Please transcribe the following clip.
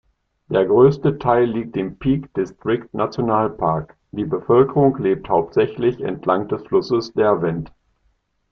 Der größte Teil liegt im Peak-District-Nationalpark, die Bevölkerung lebt hauptsächlich entlang des Flusses Derwent.